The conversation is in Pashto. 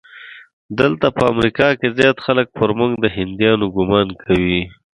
دلته په امریکا کې زیات خلک پر موږ د هندیانو ګومان کوي.